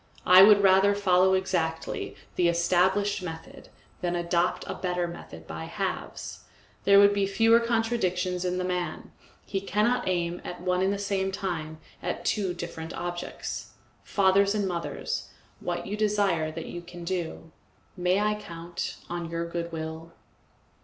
I would rather follow exactly the established method than adopt a better method by halves. There would be fewer contradictions in the man; he cannot aim at one and the same time at two different objects. Fathers and mothers, what you desire that you can do. May I count on your goodwill?